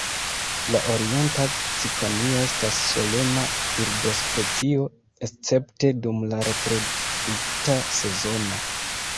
La Orienta cikonio estas solema birdospecio escepte dum la reprodukta sezono.